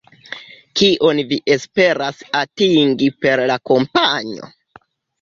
Kion vi esperas atingi per la kampanjo?